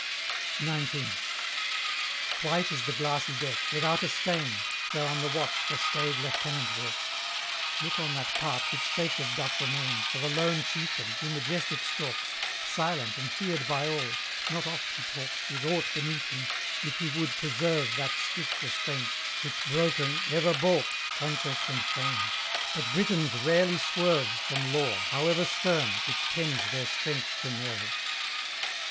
XIX. White is the glassy deck, without a stain, Where on the watch the staid lieutenant walks: Look on that part which sacred doth remain For the lone chieftain, who majestic stalks, Silent and feared by all: not oft he talks With aught beneath him, if he would preserve That strict restraint, which broken, ever baulks Conquest and Fame: but Britons rarely swerve From law, however stern, which tends their strength to nerve.